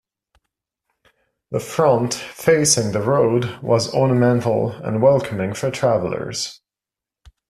The front, facing the road was ornamental and welcoming for travelers.